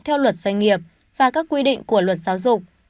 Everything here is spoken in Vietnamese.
theo luật doanh nghiệp và các quy định của luật giáo dục